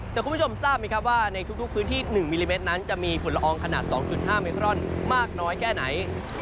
แต่คุณผู้ชมทราบไหมครับว่าในทุกพื้นที่๑มิลลิเมตรนั้นจะมีฝุ่นละอองขนาด๒๕มิครอนมากน้อยแค่ไหน